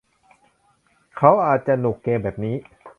เขาอาจจะหนุกเกมแบบนี้